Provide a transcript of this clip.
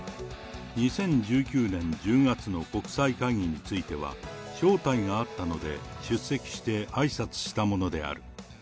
２０１９年１０月の国際会議については、招待があったので、出席してあいさつしたものである。